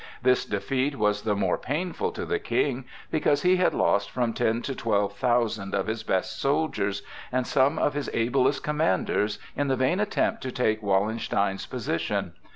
This defeat was the more painful to the King because he had lost from ten to twelve thousand of his best soldiers and some of his ablest commanders in the vain attempt to take Wallenstein's position.